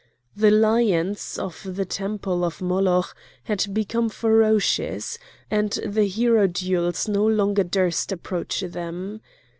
The lions of the temple of Moloch had become ferocious, and the hierodules no longer durst approach them.